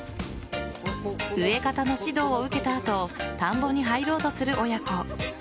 植え方の指導を受けた後田んぼに入ろうとする親子。